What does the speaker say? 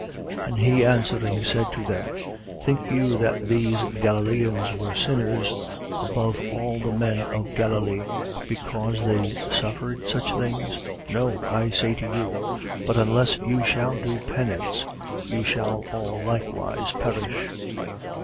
13:2. And he answering, said to them: Think you that these Galileans were sinners above all the men of Galilee, because they suffered such things? 13:3. No, I say to you: but unless you shall do penance, you shall all likewise perish.